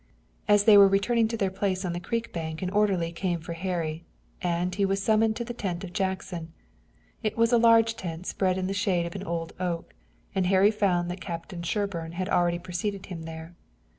As they were returning to their place on the creek bank an orderly came for Harry, and he was summoned to the tent of Jackson. It was a large tent spread in the shade of an old oak, and Harry found that Captain Sherburne had already preceded him there.